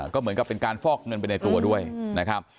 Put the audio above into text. ก็เหมือนกับเป็นการฟอกเงินไปในตัวด้วยนะครับ